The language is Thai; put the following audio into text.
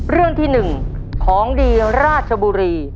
เรื่องที่๑ของดีราชบุรี